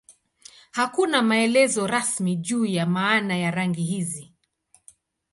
Hakuna maelezo rasmi juu ya maana ya rangi hizi.